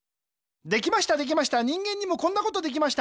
できましたできました人間にもこんなことできました。